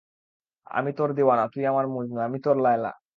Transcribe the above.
আমি তোর দিওয়ানা, তুই আমার মজনু, আমি তোর লায়লা।